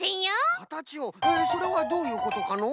かたちをそれはどういうことかのう？